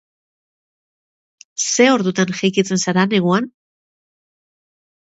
Ze ordutan jeikitzen zara neguan?